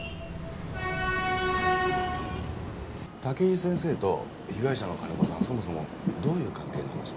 武井先生と被害者の金子さんはそもそもどういう関係なんでしょう？